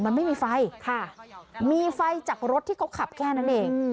มันไม่มีไฟค่ะมีไฟจากรถที่เขาขับแค่นั้นเอง